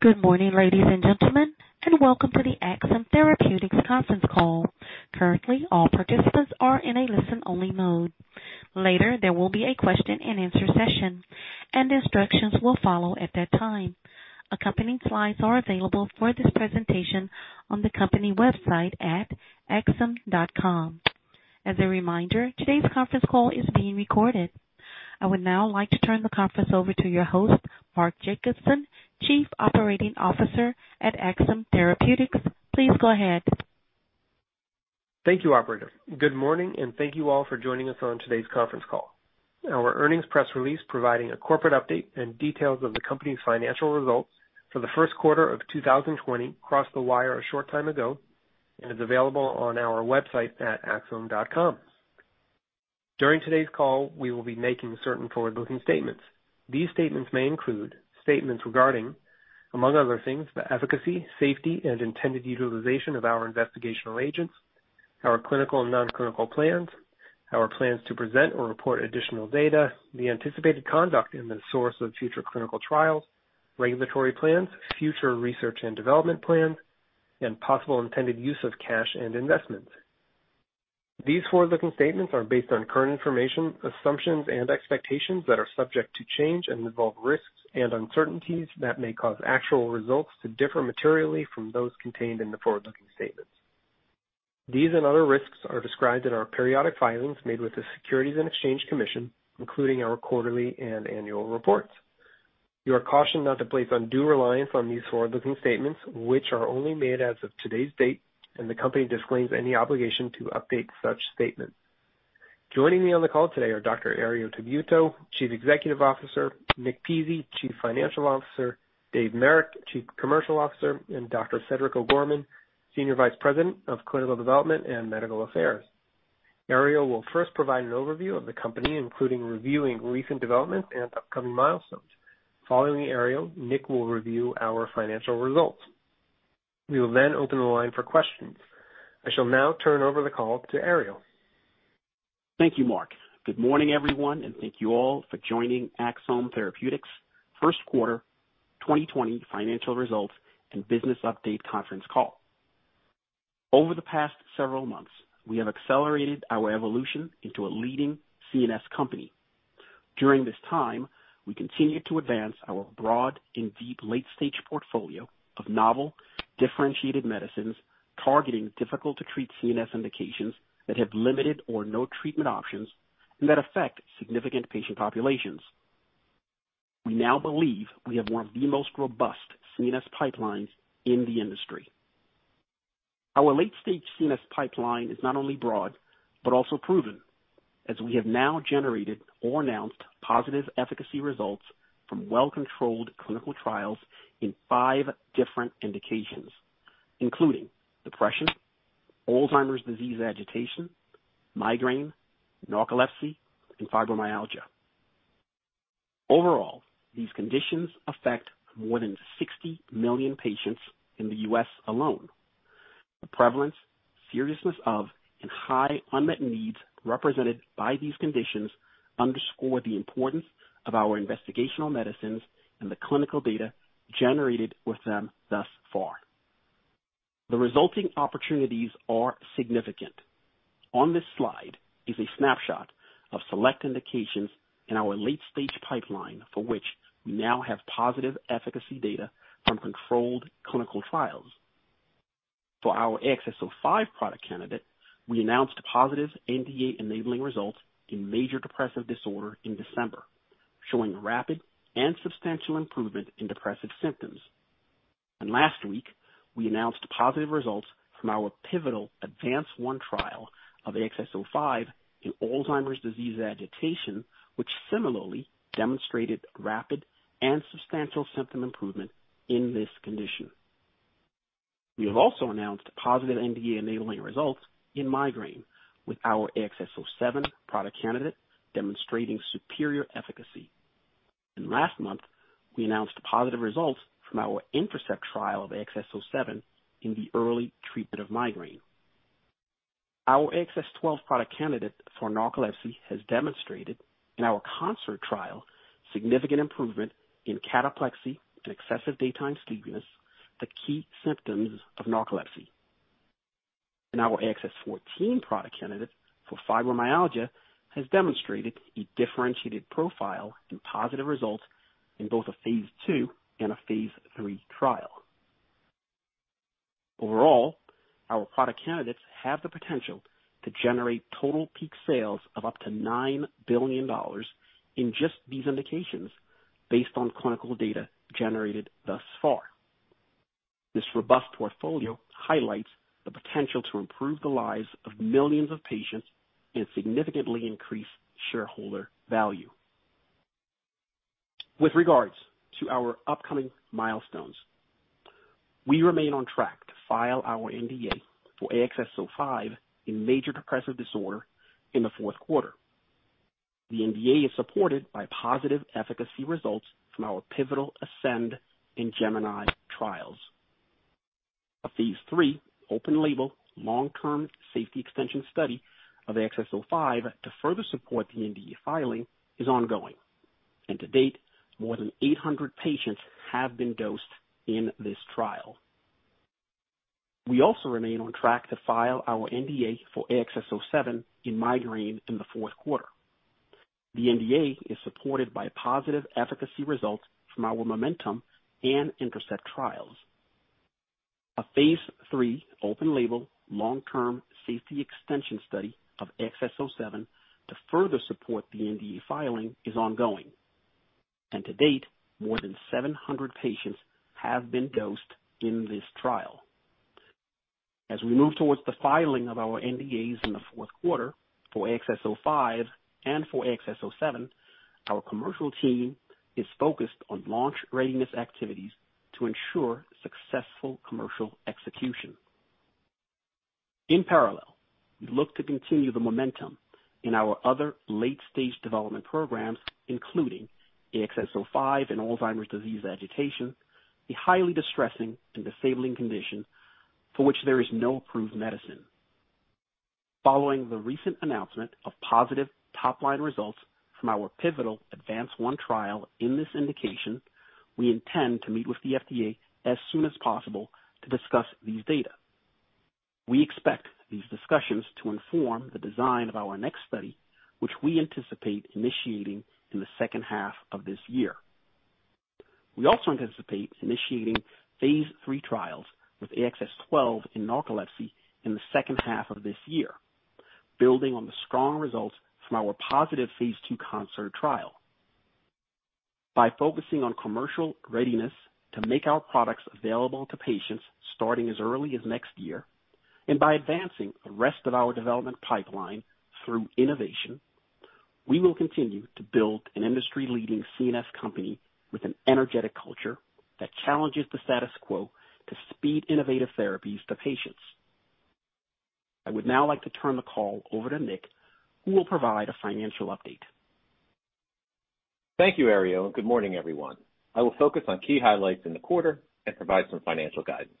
Good morning, ladies and gentlemen, and welcome to the Axsome Therapeutics conference call. Currently, all participants are in a listen-only mode. Later, there will be a question-and-answer session, and instructions will follow at that time. Accompanying slides are available for this presentation on the company website at axsome.com. As a reminder, today's conference call is being recorded. I would now like to turn the conference over to your host, Mark Jacobson, Chief Operating Officer at Axsome Therapeutics. Please go ahead. Thank you, operator. Good morning, thank you all for joining us on today's conference call. Our earnings press release providing a corporate update and details of the company's financial results for the first quarter of 2020 crossed the wire a short time ago and is available on our website at axsome.com. During today's call, we will be making certain forward-looking statements. These statements may include statements regarding, among other things, the efficacy, safety, and intended utilization of our investigational agents, our clinical and non-clinical plans, our plans to present or report additional data, the anticipated conduct and the source of future clinical trials, regulatory plans, future research and development plans, and possible intended use of cash and investments. These forward-looking statements are based on current information, assumptions and expectations that are subject to change and involve risks and uncertainties that may cause actual results to differ materially from those contained in the forward-looking statements. These and other risks are described in our periodic filings made with the Securities and Exchange Commission, including our quarterly and annual reports. You are cautioned not to place undue reliance on these forward-looking statements, which are only made as of today's date, and the company disclaims any obligation to update such statements. Joining me on the call today are Dr. Herriot Tabuteau, Chief Executive Officer, Nick Pizzie, Chief Financial Officer, David Marek, Chief Commercial Officer, and Dr. Cedric O'Gorman, Senior Vice President of Clinical Development and Medical Affairs. Herriot will first provide an overview of the company, including reviewing recent developments and upcoming milestones. Following Herriot, Nick will review our financial results. We will then open the line for questions. I shall now turn over the call to Herriot. Thank you, Mark. Good morning, everyone, and thank you all for joining Axsome Therapeutics' first quarter 2020 financial results and business update conference call. Over the past several months, we have accelerated our evolution into a leading CNS company. During this time, we continued to advance our broad and deep late-stage portfolio of novel differentiated medicines targeting difficult-to-treat CNS indications that have limited or no treatment options and that affect significant patient populations. We now believe we have one of the most robust CNS pipelines in the industry. Our late-stage CNS pipeline is not only broad, but also proven, as we have now generated or announced positive efficacy results from well-controlled clinical trials in five different indications, including depression, Alzheimer's disease agitation, migraine, narcolepsy, and fibromyalgia. Overall, these conditions affect more than 60 million patients in the U.S. alone. The prevalence, seriousness of, and high unmet needs represented by these conditions underscore the importance of our investigational medicines and the clinical data generated with them thus far. The resulting opportunities are significant. On this slide is a snapshot of select indications in our late-stage pipeline for which we now have positive efficacy data from controlled clinical trials. For our AXS-05 product candidate, we announced positive NDA-enabling results in major depressive disorder in December, showing rapid and substantial improvement in depressive symptoms. Last week, we announced positive results from our pivotal ADVANCE-1 trial of AXS-05 in Alzheimer's disease agitation, which similarly demonstrated rapid and substantial symptom improvement in this condition. We have also announced positive NDA-enabling results in migraine with our AXS-07 product candidate demonstrating superior efficacy. Last month, we announced positive results from our INTERCEPT trial of AXS-07 in the early treatment of migraine. Our AXS-12 product candidate for narcolepsy has demonstrated in our CONCERT trial significant improvement in cataplexy and excessive daytime sleepiness, the key symptoms of narcolepsy. Our AXS-14 product candidate for fibromyalgia has demonstrated a differentiated profile and positive results in both a phase II and a phase III trial. O verall, our product candidates have the potential to generate total peak sales of up to $9 billion in just these indications based on clinical data generated thus far. This robust portfolio highlights the potential to improve the lives of millions of patients and significantly increase shareholder value. With regards to our upcoming milestones, we remain on track to file our NDA for AXS-05 in major depressive disorder in the fourth quarter. The NDA is supported by positive efficacy results from our pivotal ASCEND and GEMINI trials. A phase III open-label long-term safety extension study of AXS-05 to further support the NDA filing is ongoing. To date, more than 800 patients have been dosed in this trial. We also remain on track to file our NDA for AXS-07 in migraine in the fourth quarter. The NDA is supported by positive efficacy results from our MOMENTUM and INTERCEPT trials. A phase III open-label long-term safety extension study of AXS-07 to further support the NDA filing is ongoing. To date, more than 700 patients have been dosed in this trial. As we move towards the filing of our NDAs in the fourth quarter for AXS-05 and for AXS-07, our commercial team is focused on launch readiness activities to ensure successful commercial execution. In parallel, we look to continue the momentum in our other late-stage development programs, including AXS-05 and Alzheimer's disease agitation, a highly distressing and disabling condition for which there is no approved medicine. Following the recent announcement of positive top-line results from our pivotal ADVANCE-1 trial in this indication, we intend to meet with the FDA as soon as possible to discuss these data. We expect these discussions to inform the design of our next study, which we anticipate initiating in the second half of this year. We also anticipate initiating phase III trials with AXS-12 in narcolepsy in the second half of this year, building on the strong results from our positive phase II CONCERT trial. By focusing on commercial readiness to make our products available to patients starting as early as next year, and by advancing the rest of our development pipeline through innovation, we will continue to build an industry-leading CNS company with an energetic culture that challenges the status quo to speed innovative therapies to patients. I would now like to turn the call over to Nick, who will provide a financial update. Thank you, Herriot, and good morning, everyone. I will focus on key highlights in the quarter and provide some financial guidance.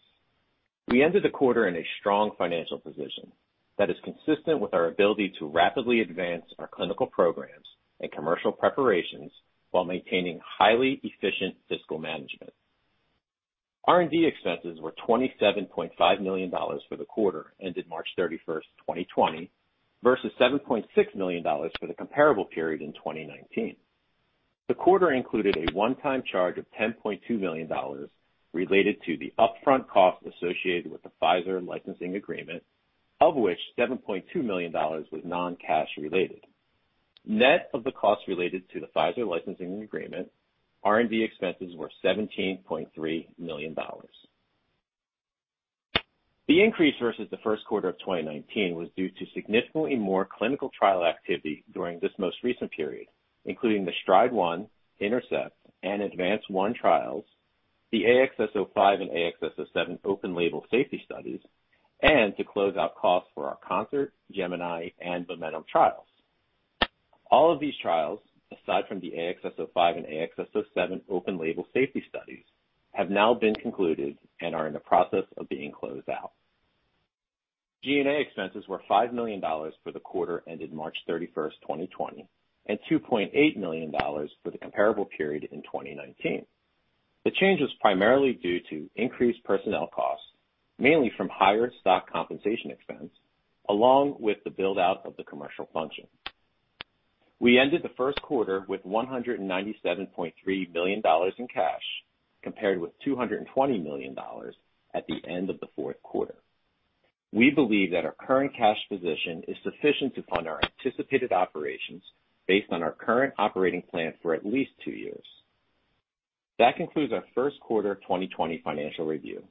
We ended the quarter in a strong financial position that is consistent with our ability to rapidly advance our clinical programs and commercial preparations while maintaining highly efficient fiscal management. R&D expenses were $27.5 million for the quarter ended March 31st, 2020, versus $7.6 million for the comparable period in 2019. The quarter included a one-time charge of $10.2 million related to the upfront costs associated with the Pfizer licensing agreement, of which $7.2 million was non-cash related. Net of the costs related to the Pfizer licensing agreement, R&D expenses were $17.3 million. The increase versus the first quarter of 2019 was due to significantly more clinical trial activity during this most recent period, including the STRIDE-1, INTERCEPT, and ADVANCE-1 trials, the AXS-05 and AXS-07 open label safety studies, and to close out costs for our CONCERT, GEMINI, and MOMENTUM trials. All of these trials, aside from the AXS-05 and AXS-07 open label safety studies, have now been concluded and are in the process of being closed out. G&A expenses were $5 million for the quarter ended March 31st, 2020, and $2.8 million for the comparable period in 2019. The change was primarily due to increased personnel costs, mainly from higher stock compensation expense, along with the build-out of the commercial function. We ended the first quarter with $197.3 million in cash, compared with $220 million at the end of the fourth quarter. We believe that our current cash position is sufficient to fund our anticipated operations based on our current operating plan for at least two years. That concludes our first quarter 2020 financial review.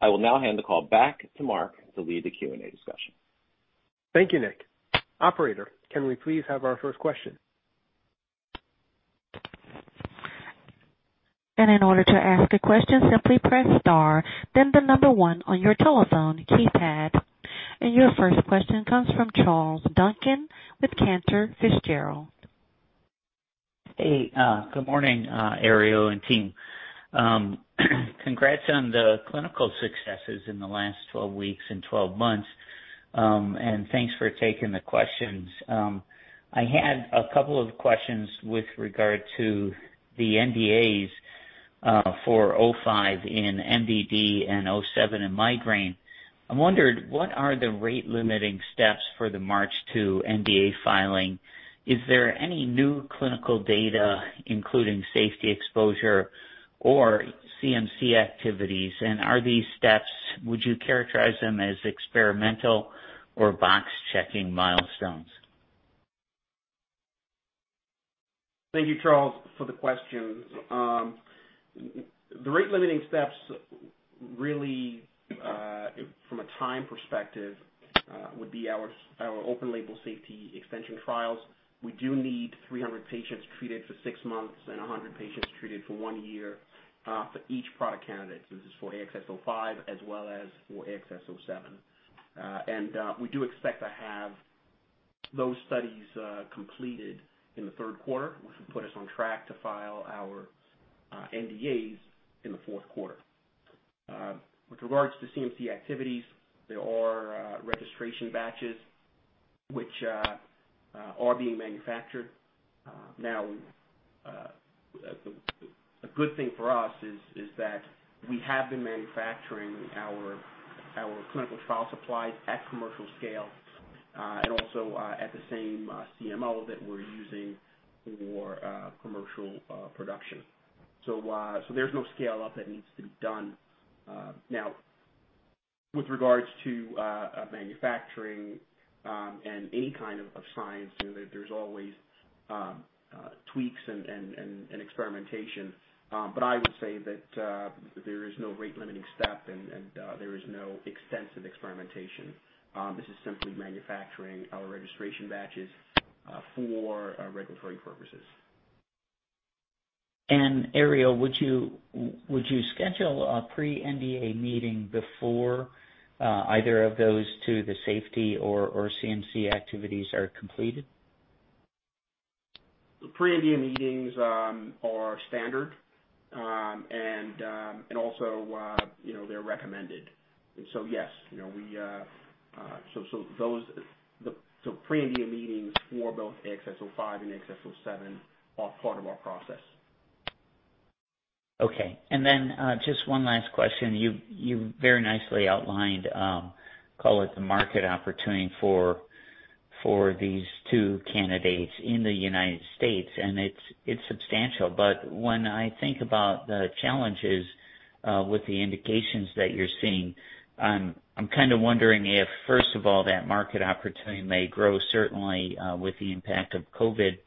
I will now hand the call back to Mark to lead the Q&A discussion. Thank you, Nick. Operator, can we please have our first question? In order to ask a question, simply press star then the number one on your telephone keypad. Your first question comes from Charles Duncan with Cantor Fitzgerald. Hey, good morning, Herriot and team. Congrats on the clinical successes in the last 12 weeks and 12 months, and thanks for taking the questions. I had a couple of questions with regard to the NDAs for AXS-05 in MDD and AXS-07 in migraine. I wondered, what are the rate limiting steps for the March 2 NDA filing? Is there any new clinical data, including safety exposure or CMC activities and are these steps, would you characterize them as experimental or box-checking milestones? Thank you, Charles, for the question. The rate limiting steps really from a time perspective would be our open label safety extension trials. We do need 300 patients treated for six months and 100 patients treated for one year for each product candidate. This is for AXS-05 as well as for AXS-07. We do expect to have those studies completed in the third quarter, which will put us on track to file our NDAs in the fourth quarter. With regards to CMC activities, there are registration batches which are being manufactured. Now, a good thing for us is that we have been manufacturing our clinical trial supplies at commercial scale, and also at the same CMO that we're using for commercial production. There's no scale-up that needs to be done. Now with regards to manufacturing and any kind of science, there's always tweaks and experimentation but I would say that there is no rate-limiting step, and there is no extensive experimentation. This is simply manufacturing our registration batches for regulatory purposes. Herriot, would you schedule a pre-NDA meeting before either of those two, the safety or CMC activities are completed? Pre-NDA meetings are standard and also, they're recommended. Yes. Pre-NDA meetings for both AXS-05 and AXS-07 are part of our process. Okay. And then just one last question. You very nicely outlined, call it the market opportunity for these two candidates in the United States, and it's substantial. When I think about the challenges with the indications that you're seeing, I'm kind of wondering if, first of all, that market opportunity may grow, certainly, with the impact of COVID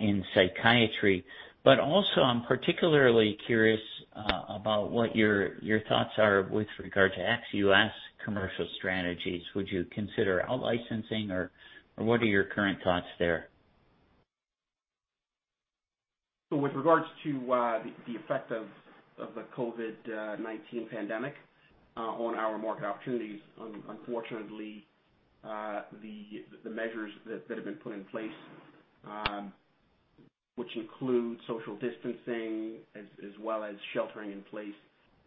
in psychiatry. I'm particularly curious about what your thoughts are with regard to ex-U.S. commercial strategies. Would you consider out-licensing, or what are your current thoughts there? With regards to the effect of the COVID-19 pandemic on our market opportunities, unfortunately, the measures that have been put in place, which include social distancing as well as sheltering in place,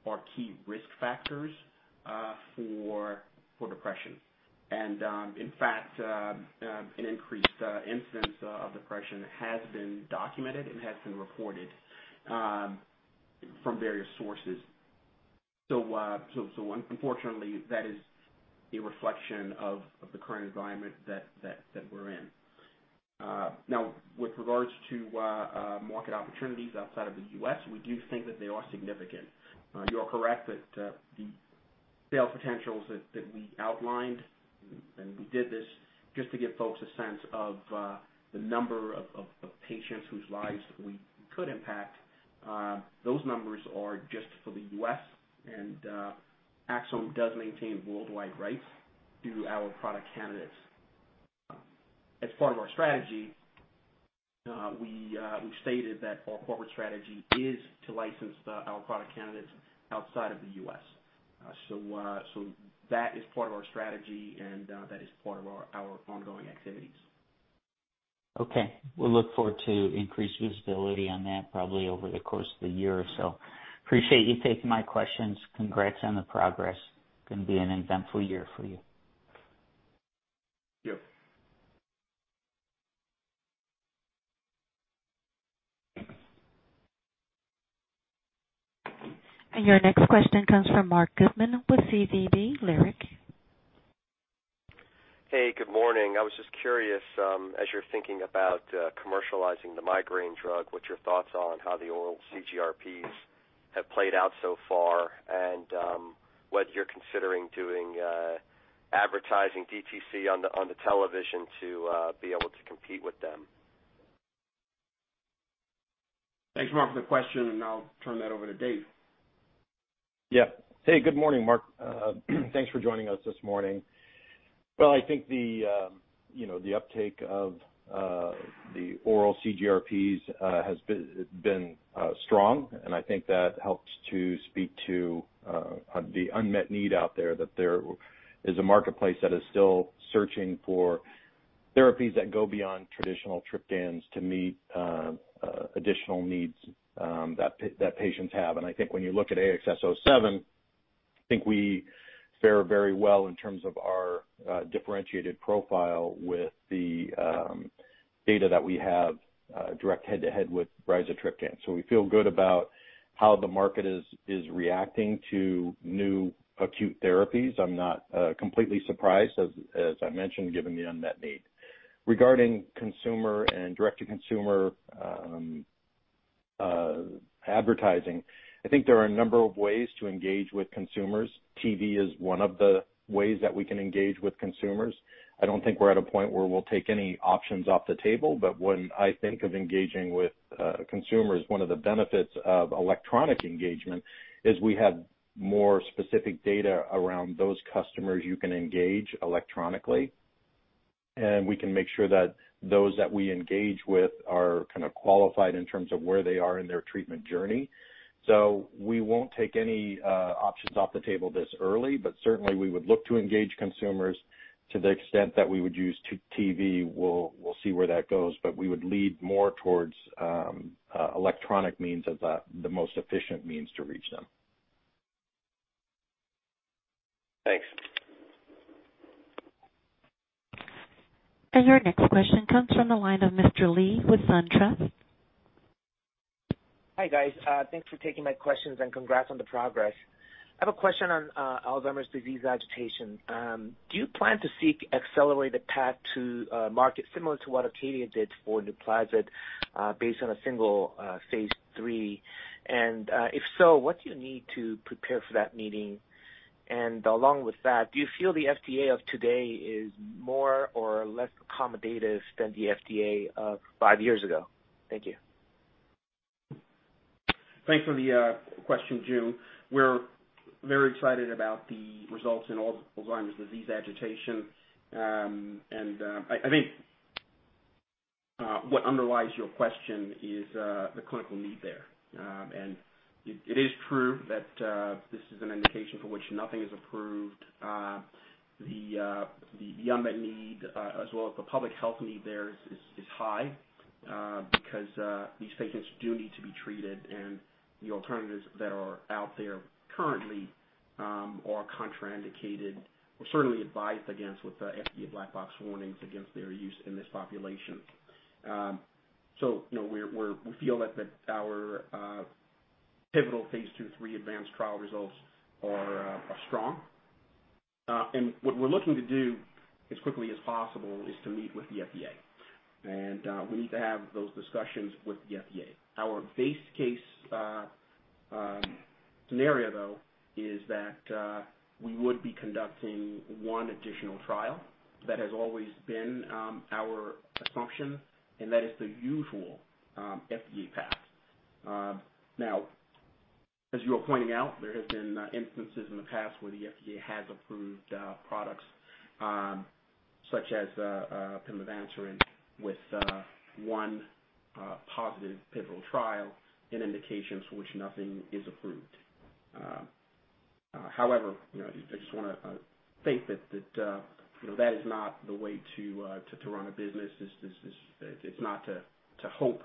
are key risk factors for depression. In fact, an increased incidence of depression has been documented and has been reported from various sources so unfortunately, that is a reflection of the current environment that we're in. Now with regards to market opportunities outside of the U.S., we do think that they are significant. You are correct that the sales potentials that we outlined, and we did this just to give folks a sense of the number of patients whose lives we could impact. Those numbers are just for the U.S., and Axsome does maintain worldwide rights to our product candidates. As part of our strategy, we've stated that our corporate strategy is to license our product candidates outside of the U.S so that is part of our strategy, and that is part of our ongoing activities. Okay. We'll look forward to increased visibility on that probably over the course of the year or so. Appreciate you taking my questions. Congrats on the progress. Going to be an eventful year for you. Yep. Your next question comes from Mark Goodman with SVB Leerink. Hey, good morning. I was just curious, as you're thinking about commercializing the migraine drug, what your thoughts are on how the oral CGRPs have played out so far and whether you're considering doing advertising DTC on the television to be able to compete with them? Thanks, Mark, for the question. I'll turn that over to Dave. Yeah. Hey, good morning, Mark. Thanks for joining us this morning. Well, I think the uptake of the oral CGRPs has been strong, and I think that helps to speak to the unmet need out there, that there is a marketplace that is still searching for therapies that go beyond traditional triptans to meet additional needs that patients have. I think when you look at AXS-07, I think we fare very well in terms of our differentiated profile with the data that we have direct head-to-head with rizatriptan. We feel good about how the market is reacting to new acute therapies. I'm not completely surprised, as I mentioned, given the unmet need. Regarding consumer and direct-to-consumer advertising, I think there are a number of ways to engage with consumers. TV is one of the ways that we can engage with consumers. I don't think we're at a point where we'll take any options off the table, but when I think of engaging with consumers, one of the benefits of electronic engagement is we have more specific data around those customers you can engage electronically. We can make sure that those that we engage with are qualified in terms of where they are in their treatment journey so we won't take any options off the table this early, but certainly we would look to engage consumers to the extent that we would use TV. We'll see where that goes, but we would lead more towards electronic means as the most efficient means to reach them. Thanks. Your next question comes from the line of Mr. Lee with SunTrust. Hi, guys. Thanks for taking my questions, congrats on the progress. I have a question on Alzheimer's disease agitation. Do you plan to seek accelerated path to market similar to what Acadia did for NUPLAZID, based on a single phase III? If so, what do you need to prepare for that meeting? Along with that, do you feel the FDA of today is more or less accommodative than the FDA of five years ago? Thank you. Thanks for the question, Joon. We're very excited about the results in Alzheimer's disease agitation. I think what underlies your question is the clinical need there. It is true that this is an indication for which nothing is approved. The unmet need, as well as the public health need there is high, because these patients do need to be treated, and the alternatives that are out there currently are contraindicated or certainly advised against with the FDA black box warnings against their use in this population. We feel that our pivotal phase II/III ADVANCE-1 trial results are strong. What we're looking to do as quickly as possible is to meet with the FDA. We need to have those discussions with the FDA. Our base case scenario, though, is that we would be conducting one additional trial. That has always been our assumption, and that is the usual FDA path. Now, as you are pointing out, there have been instances in the past where the FDA has approved products, such as pimavanserin, with one positive pivotal trial in indications for which nothing is approved. However, I just want to state that is not the way to run a business. It's not to hope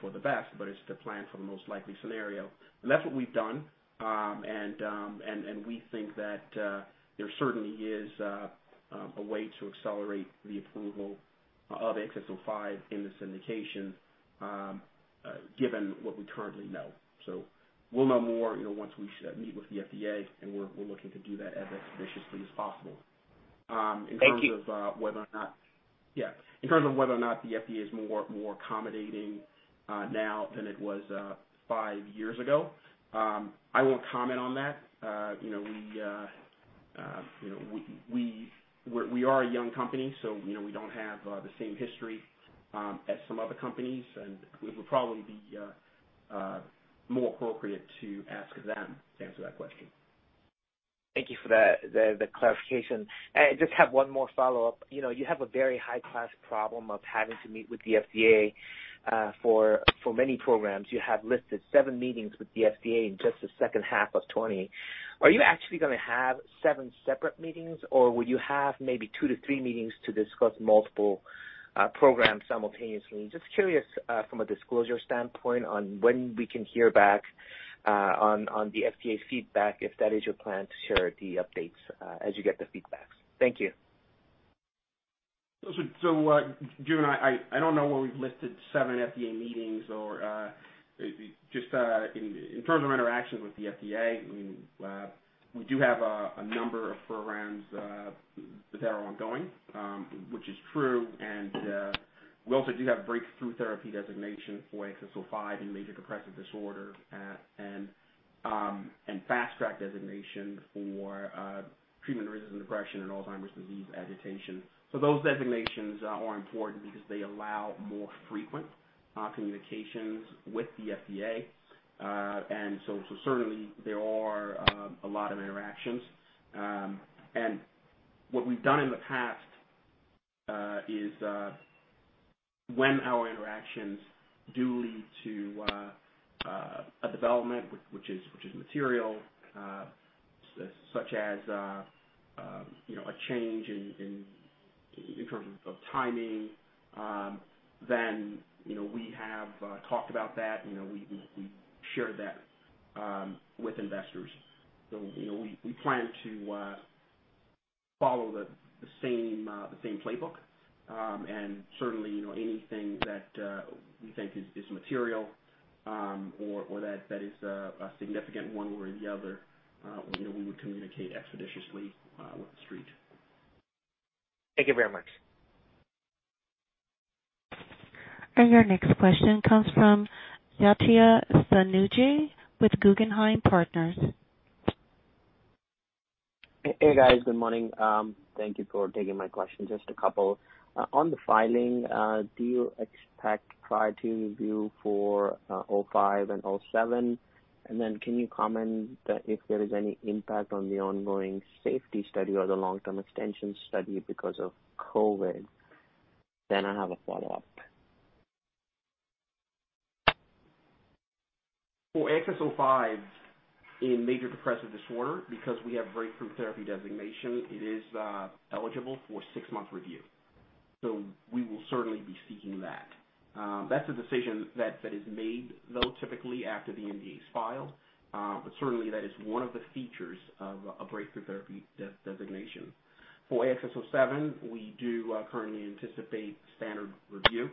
for the best, but it's to plan for the most likely scenario. That's what we've done and then we think that there certainly is a way to accelerate the approval of AXS-05 in this indication, given what we currently know. We'll know more once we meet with the FDA, and we're looking to do that as expeditiously as possible. Thank you. Yeah. In terms of whether or not the FDA is more accommodating now than it was five years ago, I won't comment on that. We are a young company, so we don't have the same history as some other companies and it would probably be more appropriate to ask them to answer that question. Thank you for the clarification. I just have one more follow-up. You have a very high-class problem of having to meet with the FDA for many programs. You have listed seven meetings with the FDA in just the second half of 2020. Are you actually going to have seven separate meetings, or will you have maybe two to three meetings to discuss multiple programs simultaneously? Just curious from a disclosure standpoint on when we can hear back on the FDA feedback, if that is your plan to share the updates as you get the feedback. Thank you. Joon, I don't know where we've listed seven FDA meetings or just in terms of interactions with the FDA, we do have a number of programs that are ongoing, which is true. We also do have breakthrough therapy designation for AXS-05 in major depressive disorder and fast track designation for treatment-resistant depression and Alzheimer's disease agitation. Those designations are important because they allow more frequent communications with the FDA. Certainly there are a lot of interactions. What we've done in the past is when our interactions do lead to a development which is material, such as a change in terms of timing, then we have talked about that, we shared that with investors. We plan to follow the same playbook. Certainly, anything that we think is material, or that is significant one way or the other, we would communicate expeditiously with TheStreet. Thank you very much. Your next question comes from Yatin Suneja with Guggenheim Partners. Hey, guys. Good morning. Thank you for taking my question. Just a couple. On the filing, do you expect priority review for AXS-05 and AXS-07? And then can you comment if there is any impact on the ongoing safety study or the long-term extension study because of COVID-19? I have a follow-up. For AXS-05 in major depressive disorder, because we have breakthrough therapy designation, it is eligible for six-month review. We will certainly be seeking that. That's a decision that is made, though, typically after the NDA's filed. Certainly that is one of the features of a breakthrough therapy designation. For AXS-07, we do currently anticipate standard review.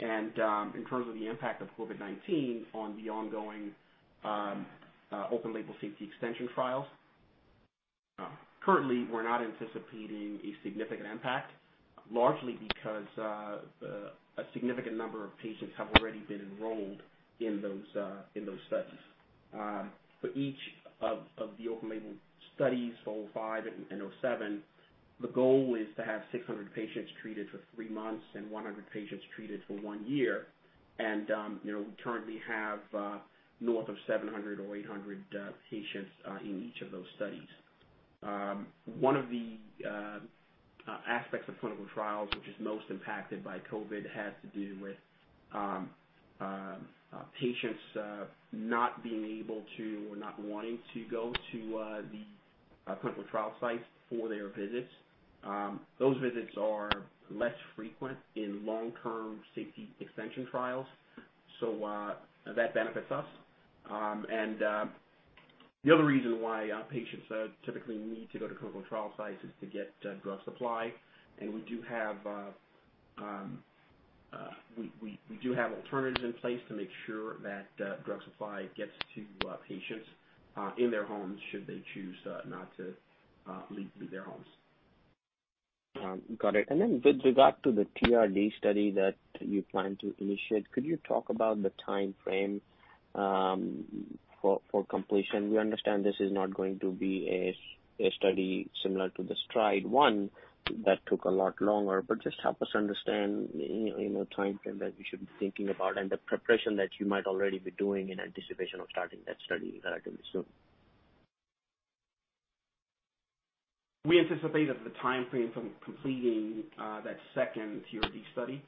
In terms of the impact of COVID-19 on the ongoing open label safety extension trials, currently we're not anticipating a significant impact, largely because a significant number of patients have already been enrolled in those studies. For each of the open label studies for AXS-05 and AXS-07, the goal is to have 600 patients treated for three months and 100 patients treated for one year. We currently have north of 700 or 800 patients in each of those studies. One of the aspects of clinical trials which is most impacted by COVID has to do with patients not being able to or not wanting to go to the clinical trial sites for their visits. Those visits are less frequent in long-term safety extension trials, so that benefits us. The other reason why patients typically need to go to clinical trial sites is to get drug supply. We do have alternatives in place to make sure that drug supply gets to patients in their homes should they choose not to leave their homes. Got it. Then with regard to the TRD study that you plan to initiate, could you talk about the timeframe for completion? We understand this is not going to be a study similar to the STRIDE-1 that took a lot longer, but just help us understand the timeframe that we should be thinking about and the preparation that you might already be doing in anticipation of starting that study relatively soon. We anticipate that the timeframe for completing that second TRD study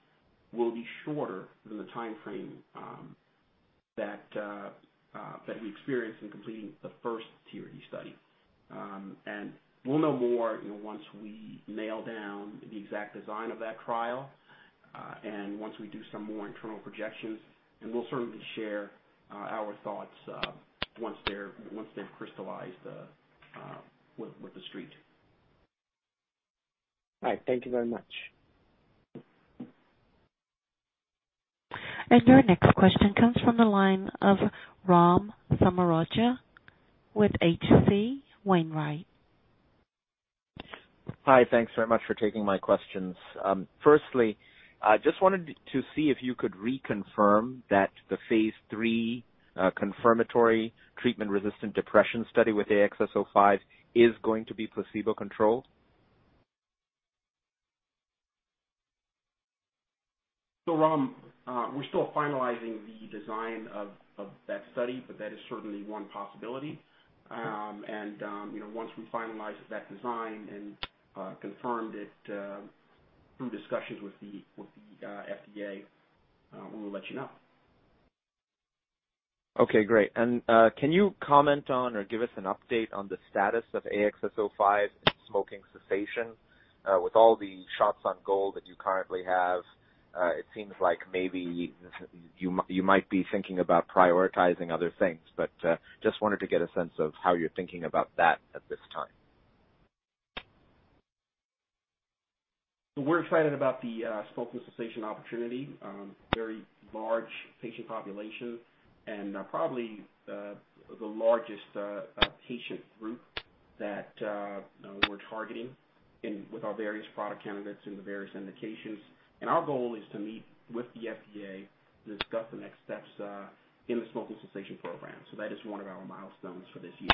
will be shorter than the timeframe that we experienced in completing the first TRD study. We'll know more once we nail down the exact design of that trial and once we do some more internal projections. We'll certainly share our thoughts once they've crystallized with TheStreet. All right. Thank you very much. Your next question comes from the line of Ram Selvaraju with H.C. Wainwright. Hi. Thanks very much for taking my questions. Firstly, just wanted to see if you could reconfirm that the phase III confirmatory treatment-resistant depression study with AXS-05 is going to be placebo controlled? Ram, we're still finalizing the design of that study, but that is certainly one possibility. Once we finalize that design and confirm it through discussions with the FDA, we will let you know. Okay, great. And can you comment on or give us an update on the status of AXS-05 in smoking cessation? With all the shots on goal that you currently have, it seems like maybe you might be thinking about prioritizing other things, but just wanted to get a sense of how you're thinking about that at this time. We're excited about the smoking cessation opportunity, a very large patient population and probably the largest patient group that we're targeting with our various product candidates in the various indications. Our goal is to meet with the FDA to discuss the next steps in the smoking cessation program. That is one of our milestones for this year.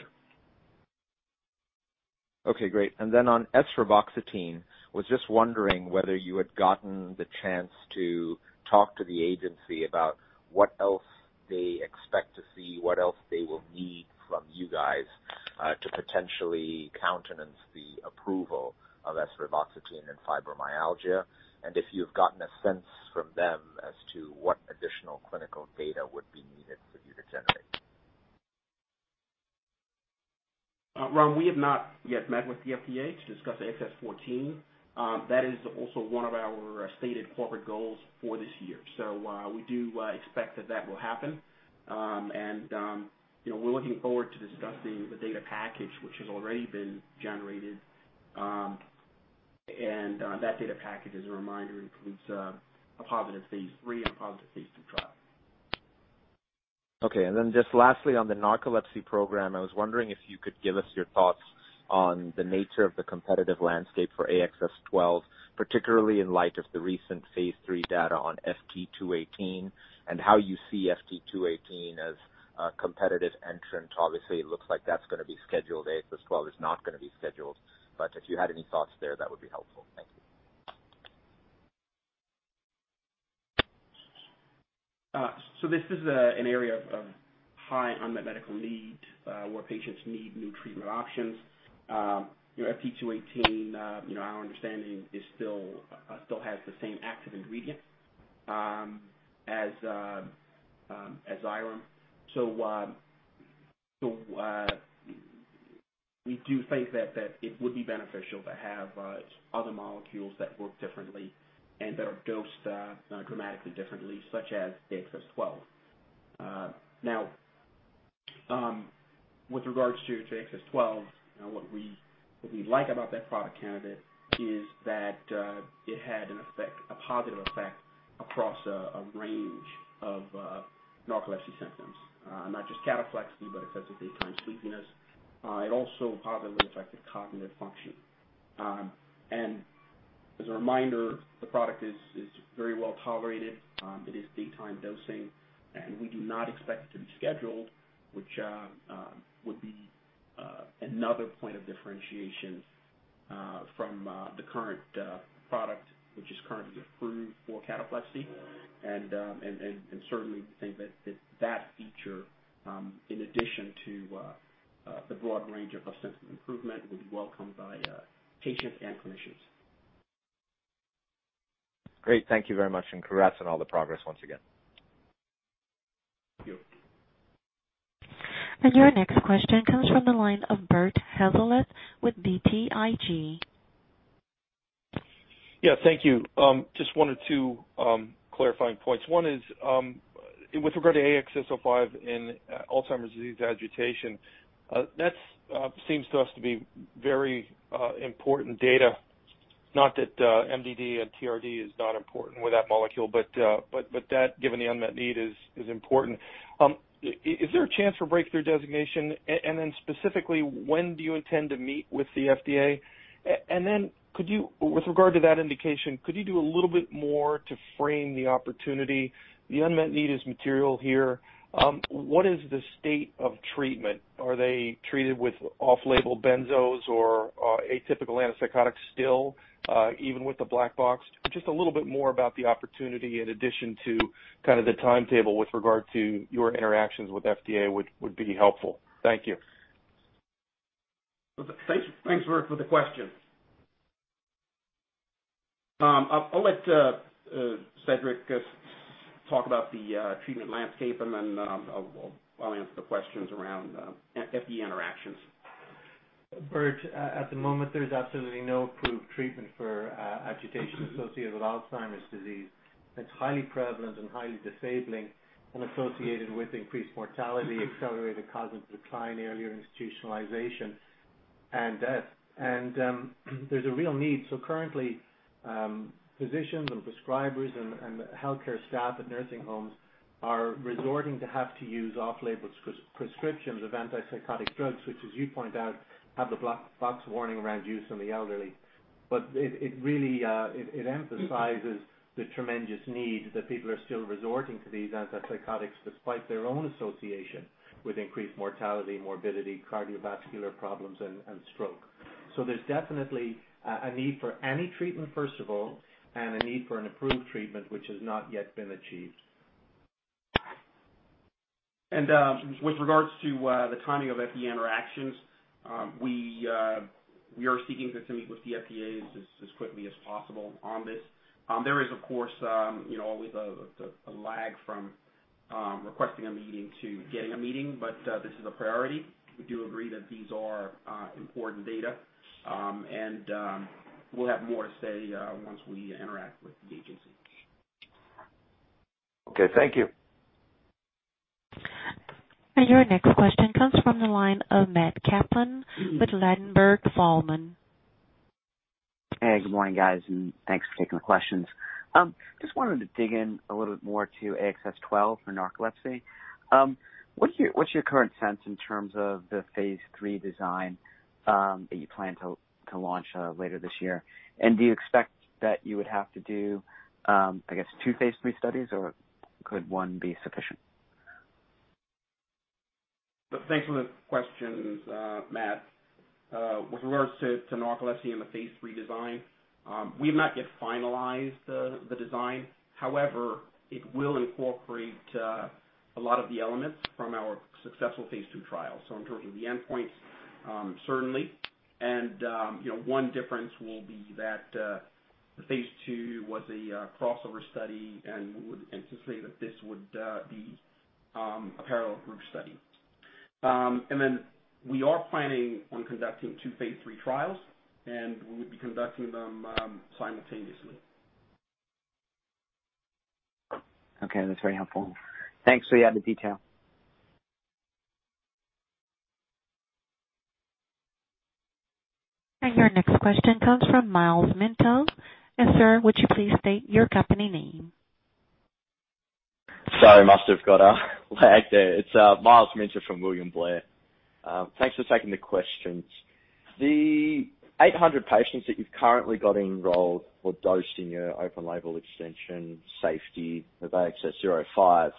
Okay, great. Then on esreboxetine, was just wondering whether you had gotten the chance to talk to the agency about what else they expect to see, what else they will need from you guys to potentially countenance the approval of esreboxetine and fibromyalgia, and if you've gotten a sense from them as to what additional clinical data would be needed for you to generate? Ram, we have not yet met with the FDA to discuss AXS-14. That is also one of our stated corporate goals for this year. We do expect that that will happen. We're looking forward to discussing the data package, which has already been generated. That data package, as a reminder, includes a positive phase III and a positive phase II trial. Okay. Then just lastly on the narcolepsy program, I was wondering if you could give us your thoughts on the nature of the competitive landscape for AXS-12, particularly in light of the recent phase III data on FT218 and how you see FT218 as a competitive entrant. Obviously, it looks like that's going to be scheduled, AXS-12 is not going to be scheduled. If you had any thoughts there, that would be helpful. Thank you. This is an area of high unmet medical need where patients need new treatment options. FT218, our understanding, still has the same active ingredient as Xyrem. We do think that it would be beneficial to have other molecules that work differently and that are dosed dramatically differently, such as AXS-12. With regards to AXS-12, what we like about that product candidate is that it had a positive effect across a range of narcolepsy symptoms. Not just cataplexy, but excessive daytime sleepiness and it also positively affected cognitive function. As a reminder, the product is very well-tolerated. It is daytime dosing, and we do not expect it to be scheduled, which would be another point of differentiation from the current product, which is currently approved for cataplexy. Certainly, we think that that feature, in addition to the broad range of symptom improvement, would be welcomed by patients and clinicians. Great. Thank you very much, and congrats on all the progress once again. Thank you. Your next question comes from the line of Bert Hazlett with BTIG. Yeah, thank you. Just one or two clarifying points. One is, with regard to AXS-05 in Alzheimer's disease agitation that seems to us to be very important data, not that MDD and TRD is not important with that molecule, but that, given the unmet need, is important. Is there a chance for Breakthrough designation, and then specifically, when do you intend to meet with the FDA? And then with regard to that indication, could you do a little bit more to frame the opportunity? The unmet need is material here. What is the state of treatment? Are they treated with off-label benzos or atypical antipsychotics still, even with the black box? Just a little bit more about the opportunity in addition to the timetable with regard to your interactions with FDA would be helpful. Thank you. Thanks, Bert, for the question. I'll let Cedric talk about the treatment landscape, and then I'll answer the questions around FDA interactions. Bert, at the moment, there's absolutely no approved treatment for agitation associated with Alzheimer's disease. It's highly prevalent and highly disabling and associated with increased mortality, accelerated cognitive decline, earlier institutionalization, and death. There's a real need. Currently, physicians and prescribers and healthcare staff at nursing homes are resorting to have to use off-label prescriptions of antipsychotic drugs, which as you point out, have the black box warning around use in the elderly. It emphasizes the tremendous need that people are still resorting to these antipsychotics despite their own association with increased mortality, morbidity, cardiovascular problems, and stroke. There's definitely a need for any treatment, first of all, and a need for an approved treatment, which has not yet been achieved. With regards to the timing of FDA interactions, we are seeking to meet with the FDA as quickly as possible on this. There is, of course, always a lag from requesting a meeting to getting a meeting, but this is a priority. We do agree that these are important data. We'll have more to say once we interact with the agency. Okay. Thank you. Your next question comes from the line of Matt Kaplan with Ladenburg Thalmann. Good morning, guys, and thanks for taking the questions. Just wanted to dig in a little bit more to AXS-12 for narcolepsy. What's your current sense in terms of the phase III design that you plan to launch later this year? Do you expect that you would have to do, I guess, two phase III studies, or could one be sufficient? Thanks for the questions, Matt. With regards to narcolepsy and the phase III design, we have not yet finalized the design. However, it will incorporate a lot of the elements from our successful phase II trial. In terms of the endpoints, certainly. One difference will be that the phase II was a crossover study, and we would anticipate that this would be a parallel group study. We are planning on conducting two phase III trials, and we would be conducting them simultaneously. Okay. That's very helpful. Thanks for the added detail. Your next question comes from Myles Minter. Sir, would you please state your company name? Sorry, must have got a lag there. It is Myles Minter from William Blair. Thanks for taking the questions. The 800 patients that you have currently got enrolled or dosed in your open label extension safety of AXS-05-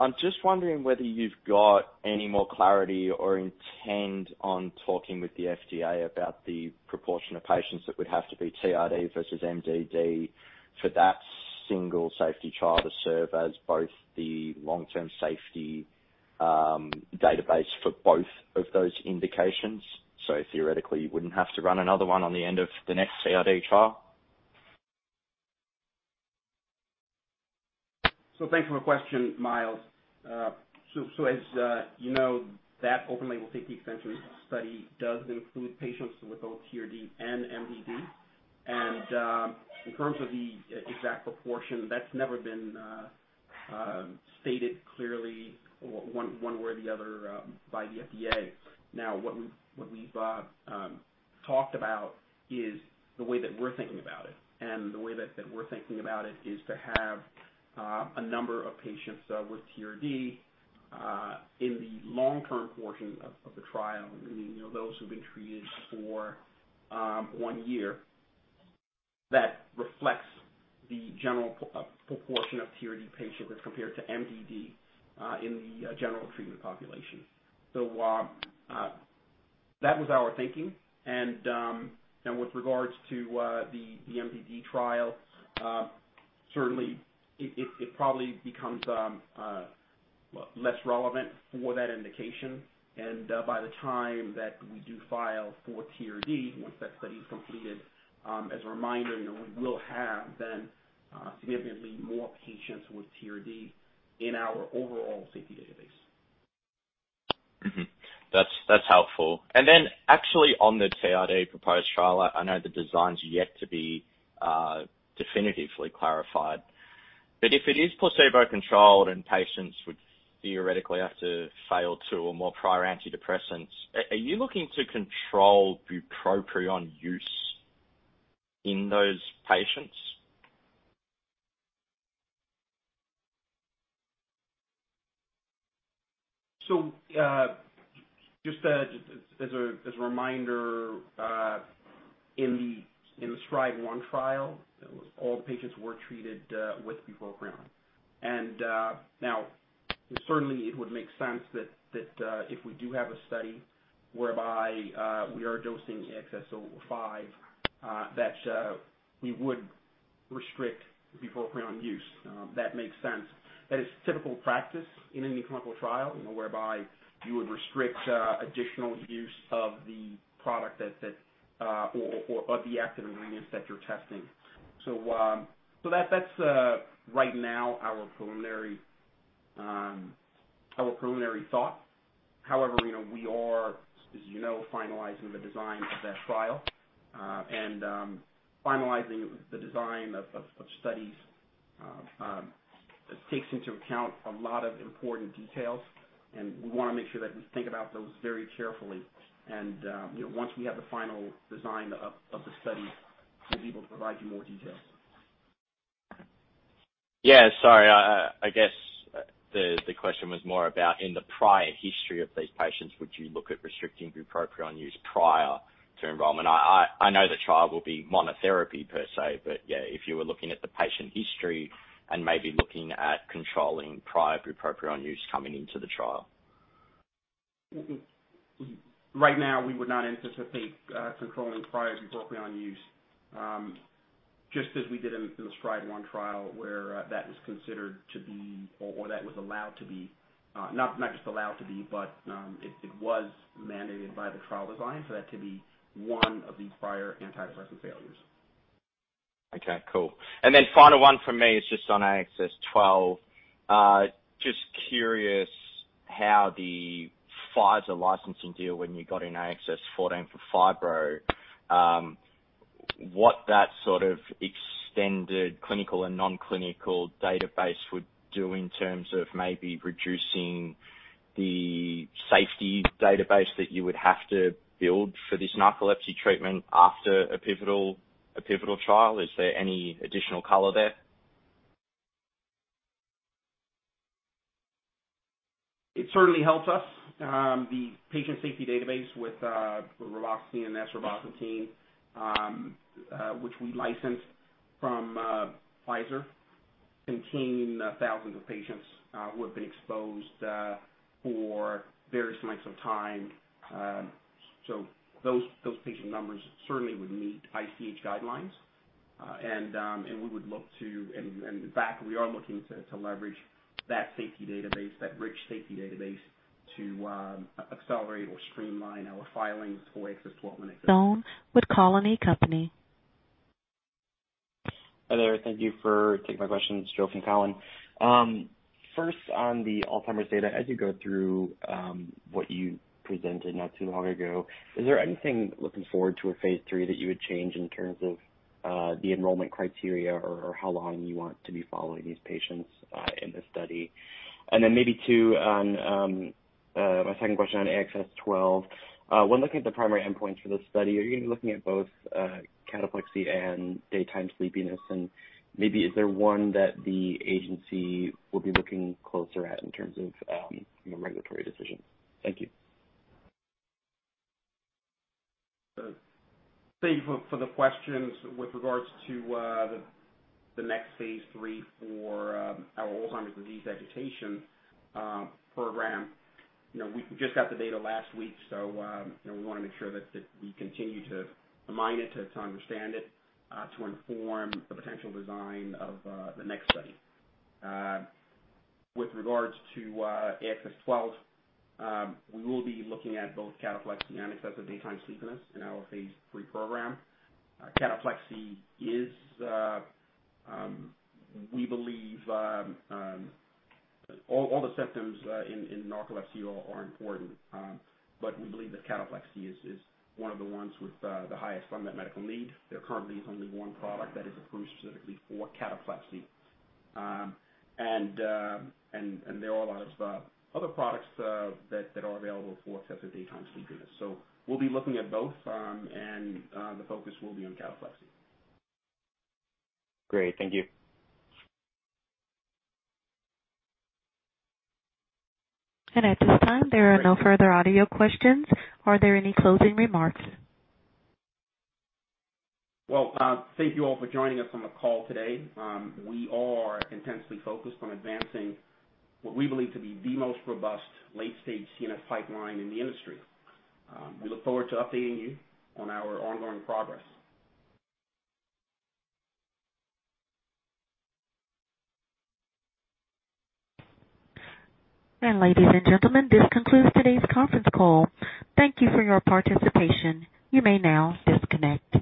I'm just wondering whether you've got any more clarity or intent on talking with the FDA about the proportion of patients that would have to be TRD versus MDD for that single safety trial to serve as both the long-term safety database for both of those indications so theoretically, you wouldn't have to run another one on the end of the next TRD trial. Thanks for the question, Myles. As you know, that open-label safety extension study does include patients with both TRD and MDD. In terms of the exact proportion, that's never been stated clearly one way or the other by the FDA. Now what we've talked about is the way that we're thinking about it, and the way that we're thinking about it is to have a number of patients with TRD in the long-term portion of the trial. Meaning, those who've been treated for one year. That reflects the general proportion of TRD patients as compared to MDD, in the general treatment population. That was our thinking. With regards to the MDD trial, certainly, it probably becomes less relevant for that indication. By the time that we do file for TRD, once that study's completed, as a reminder, we will have then significantly more patients with TRD in our overall safety database. That's helpful. Andt then actually on the TRD proposed trial, I know the design's yet to be definitively clarified, but if it is placebo controlled and patients would theoretically have to fail two or more prior antidepressants, are you looking to control bupropion use in those patients? Just as a reminder, in the STRIDE-1 trial, all the patients were treated with bupropion. Now certainly it would make sense that if we do have a study whereby we are dosing AXS-05, that we would restrict bupropion use. That makes sense. That is typical practice in any clinical trial, whereby you would restrict additional use of the product or of the active ingredient that you're testing. That's right now our preliminary thought. However, we are, as you know, finalizing the design of that trial. And finalizing the design of studies takes into account a lot of important details, and we want to make sure that we think about those very carefully. Once we have the final design of the study, we'll be able to provide you more details. Yeah. Sorry, I guess the question was more about in the prior history of these patients, would you look at restricting bupropion use prior to enrollment? I know the trial will be monotherapy per se, but yeah, if you were looking at the patient history and maybe looking at controlling prior bupropion use coming into the trial. Right now, we would not anticipate controlling prior bupropion use, just as we did in the STRIDE-1 trial where that was considered to be, or that was allowed to be, not just allowed to be, but it was mandated by the trial design for that to be one of the prior antidepressant failures. Okay, cool. Final one from me is just on AXS-12. Just curious how the Pfizer licensing deal, when you got in AXS-14 for fibro, what that sort of extended clinical and non-clinical database would do in terms of maybe reducing the safety database that you would have to build for this narcolepsy treatment after a pivotal trial. Is there any additional color there? It certainly helps us. The patient safety database with reboxetine and esreboxetine which we licensed from Pfizer, contained thousands of patients who have been exposed for various lengths of time. Those patient numbers certainly would meet ICH guidelines. We would look to, and in fact, we are looking to leverage that safety database, that rich safety database, to accelerate or streamline our filings for AXS-12. Thome with Cowen and Company. Hi there, thank you for taking my questions. Joe from Cowen. First, on the Alzheimer's data, as you go through what you presented not too long ago, is there anything looking forward to a phase III that you would change in terms of the enrollment criteria or how long you want to be following these patients in this study? Maybe two, my second question on AXS-12. When looking at the primary endpoints for this study, are you going to be looking at both cataplexy and daytime sleepiness? Maybe is there one that the agency will be looking closer at in terms of regulatory decisions? Thank you. Thank you for the questions. With regards to the next phase III for our Alzheimer's disease agitation program. We just got the data last week, so we want to make sure that we continue to mine it, to understand it, to inform the potential design of the next study. With regards to AXS-12, we will be looking at both cataplexy and excessive daytime sleepiness in our phase III program. Cataplexy is, we believe, all the symptoms in narcolepsy are important. We believe that cataplexy is one of the ones with the highest unmet medical need. There currently is only one product that is approved specifically for cataplexy. There are a lot of other products that are available for excessive daytime sleepiness so we'll be looking at both and the focus will be on cataplexy. Great. Thank you. At this time, there are no further audio questions. Are there any closing remarks? Well, thank you all for joining us on the call today. We are intensely focused on advancing what we believe to be the most robust late-stage CNS pipeline in the industry. We look forward to updating you on our ongoing progress. Ladies and gentlemen, this concludes today's conference call. Thank you for your participation. You may now disconnect.